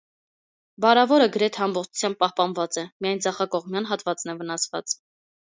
Բարավորը գրեթե ամբողջությամբ պահպանված է, միայն ձախակողմյան հատվածն է վնասված։